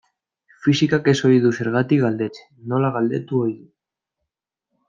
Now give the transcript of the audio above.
Fisikak ez ohi du zergatik galdetzen, nola galdetu ohi du.